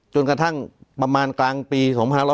จนกระทั่งประมาณกลางปี๒๕๖๐